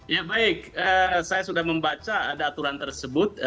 ya baik saya sudah membaca ada aturan tersebut